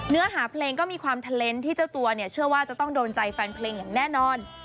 เนื้อหาเพลงก็มีความเทลนส์ที่เจ้าตัวเนี่ยเชื่อว่าจะต้องโดนใจแฟนเพลงอย่างแน่นอน